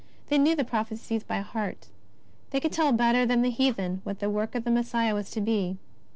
They knew the prophecies by heart. They could tell better than the heathen what the work of the Messiah was to be.